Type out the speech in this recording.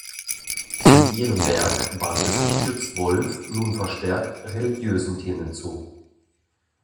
In ihrem Werk wandte sich Schütz-Wolff nun verstärkt religiösen Themen zu.